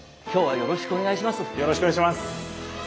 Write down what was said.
よろしくお願いします。